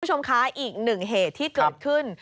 สำหรับผู้ชมค้าอีกหนึ่งเหตุที่เกิดขึ้น